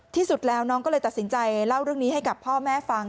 ที่สุดแล้วน้องก็เลยตัดสินใจเล่าเรื่องนี้ให้กับพ่อแม่ฟัง